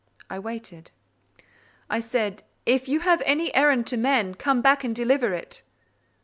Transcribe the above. I waited. I said,—"If you have any errand to men, come back and deliver it."